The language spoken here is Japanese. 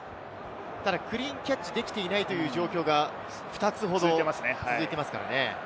ただクリーンキャッチできていないということが２つ続いています。